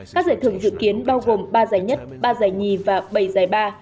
các giải thưởng dự kiến bao gồm ba giải nhất ba giải nhì và bảy giải ba